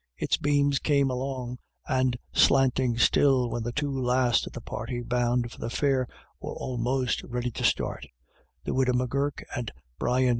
Its beams came long and slanting still, when the two last of the party bound for the fair were almost ready to start — the widow M'Gurk and Brian BACKWARDS AND FOR WARDS.